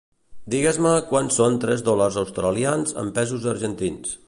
Digues-me quant són tres dòlars australians en pesos argentins.